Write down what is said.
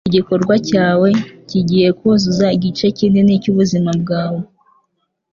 Igikorwa cyawe kigiye kuzuza igice kinini cyubuzima bwawe,